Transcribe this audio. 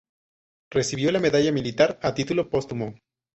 Recibió la Medalla Militar a título póstumo.